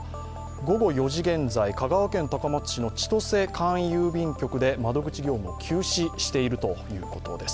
午後４時現在、香川県高松市の千歳簡易郵便局で窓口業務を休止しているということです。